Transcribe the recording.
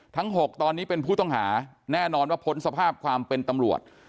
๖ตอนนี้เป็นผู้ต้องหาแน่นอนว่าพ้นสภาพความเป็นตำรวจ